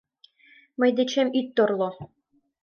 Мый дечем ит торло.